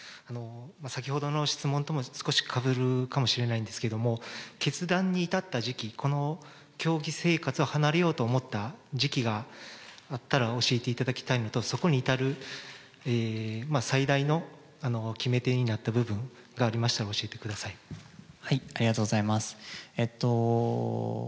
先ほどの質問とも少しかぶるかもしれないんですけれども、決断に至った時期、この競技生活を離れようと思った時期があったら教えていただきたいのと、そこに至る最大の決め手になった部分がありましたら教えてくださありがとうございます。